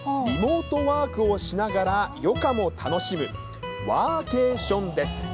リモートワークをしながら余暇も楽しむ、ワーケーションです。